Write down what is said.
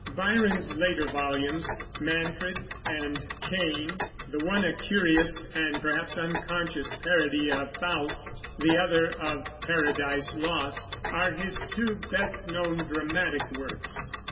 Byron's later volumes, Manfred and Cain, the one a curious, and perhaps unconscious, parody of Faust, the other of Paradise Lost, are his two best known dramatic works.